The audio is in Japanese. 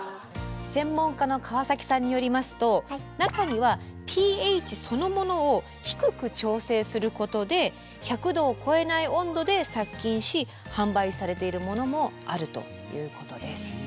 専門家の川崎さんによりますと中にはｐＨそのものを低く調整することで１００℃を超えない温度で殺菌し販売されているものもあるということです。